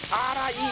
いい！